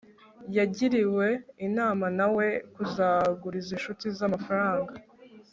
yagiriwe inama na we kutaguriza inshuti ze amafaranga